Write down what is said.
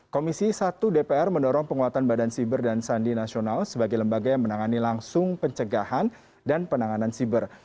komisi satu dpr mendorong penguatan badan siber dan sandi nasional sebagai lembaga yang menangani langsung pencegahan dan penanganan siber